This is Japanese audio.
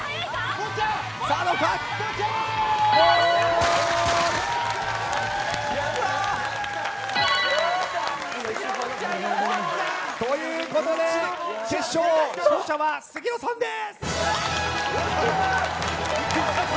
さあどうか。ということで決勝勝者は杉野さんです。